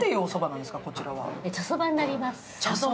茶そばになります。